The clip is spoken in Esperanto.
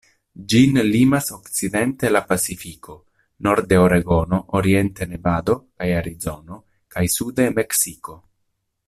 Ĝin limas okcidente la Pacifiko, norde Oregono, oriente Nevado kaj Arizono, kaj sude Meksiko.